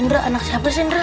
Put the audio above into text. indra anak siapa sih indra